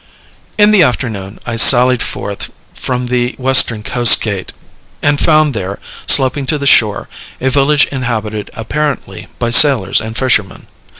In the afternoon, I sallied forth from the western coast gate, and found there, sloping to the shore, a village inhabited apparently by sailors and fishermen.